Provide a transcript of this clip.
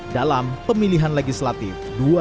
dalam pemilihan legislatif dua ribu dua puluh empat